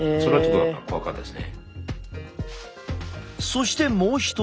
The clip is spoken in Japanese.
そしてもう一人。